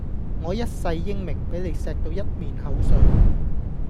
我一世英名，俾你鍚到一面口水